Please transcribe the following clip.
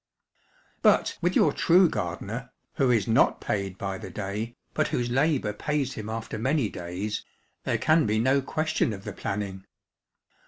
But with your true gardener, who is not paid by the day, but whose labour pays him after many days, there can be no question of the planning.